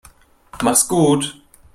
Mach's gut.